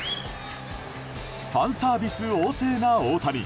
ファンサービス旺盛な大谷。